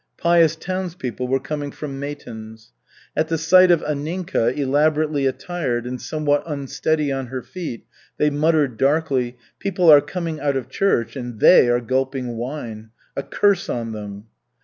Pious townspeople were coming from matins. At the sight of Anninka, elaborately attired and somewhat unsteady on her feet, they muttered darkly, "People are coming out of church, and they are gulping wine. A curse on them!"